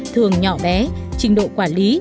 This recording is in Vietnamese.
thường nhỏ bé trình độ quản lý